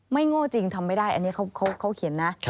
โง่จริงทำไม่ได้อันนี้เขาเขียนนะ